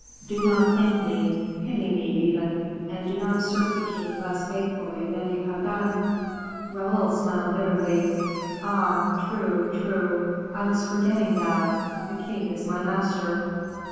Do not thank me; pity me, even, and do not serve the king less faithfully than you have done." Raoul smiled bitterly. "Ah! true, true; I was forgetting that; the king is my master."